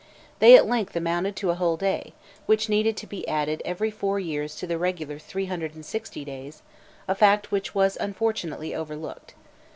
They at length amounted to a whole day, which needed to be added every four years to the regular three hundred and sixty days, a fact which was unfortunately overlooked.